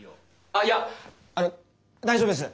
ああいやあの大丈夫です。